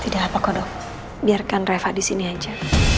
tidak apa kok dok biarkan reva disini aja